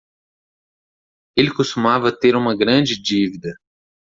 Ele costumava ter uma grande dívida